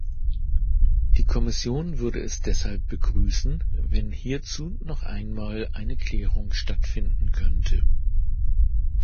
Die Kommission würde es deshalb begrüßen, wenn hierzu noch einmal eine Klärung stattfinden könnte.